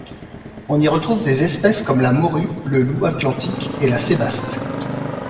On y retrouve des espèces comme la morue, le loup atlantique et la sébaste.